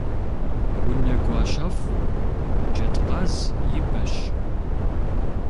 Унэгуащэфӏ джэдкъаз и бэщ.